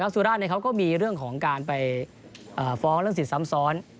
สุราชเขาก็มีเรื่องของการไปฟ้องเรื่องสิทธิ์ซ้ำซ้อน